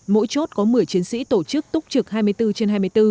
mỗi chốt có một mươi chiến sĩ tổ chức túc trực hai mươi bốn trên hai mươi bốn